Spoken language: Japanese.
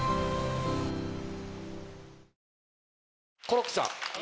コロッケさん。